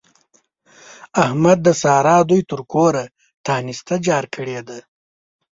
احمد د سارا دوی تر کوره تانسته جار کړې ده.